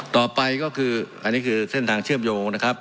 ต่อไปก็คืออันนี้คือเส้นทางเชื่อมโยงนะครับ